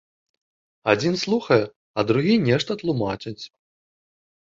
Адзін слухае, а другі нешта тлумачыць.